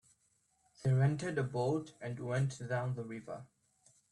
They rented a boat and went down the river.